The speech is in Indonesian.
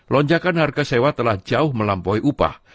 lonjakan harga sewa telah jauh melampaui upah